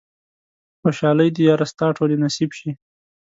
خوشحالۍ دې ياره ستا ټولې نصيب شي